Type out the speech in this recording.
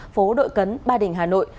phố đội cấn ba đình hà nội